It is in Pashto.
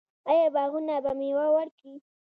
آیا باغونه به میوه ورکړي؟